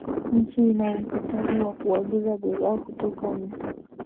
nchi ina uhitaji wa kuagiza bidhaa kutoka nje